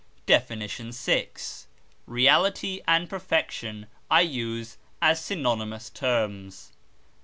DEFINITION VI. Reality and perfection I use as synonymous terms.